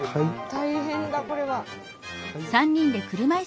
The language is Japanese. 大変だこれは。